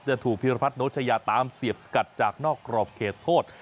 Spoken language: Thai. จะถูกพิรพัฒนโชชยาตามเสียบสกัดจากนอกกรอบเขตโทษ